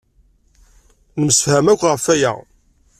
Nemsefham akk ɣef waya.